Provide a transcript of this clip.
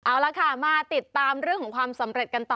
เอาละค่ะมาติดตามเรื่องของความสำเร็จกันต่อ